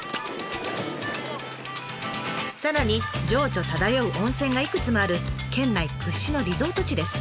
さらに情緒漂う温泉がいくつもある県内屈指のリゾート地です。